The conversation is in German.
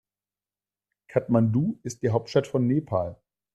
Kathmandu ist die Hauptstadt von Nepal.